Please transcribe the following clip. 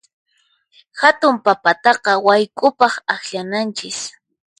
Hatun papataqa wayk'upaq akllananchis.